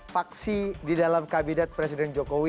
faksi di dalam kabinet presiden jokowi